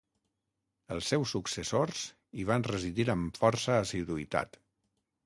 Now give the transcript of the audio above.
Els seus successors hi van residir amb força assiduïtat.